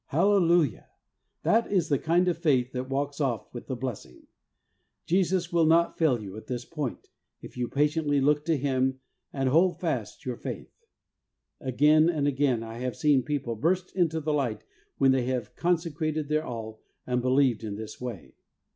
Hallelujah ! That is the kind of faith that walks off with the blessing. Jesus will not fail you at this point, if you patiently look to Him and hold fast your faith. Again and again I have seen people burst into the light when they have consecrated their all and believed in this way.